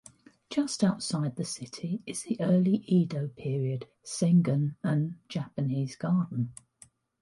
Just outside the city is the early-Edo Period Sengan-en Japanese Garden.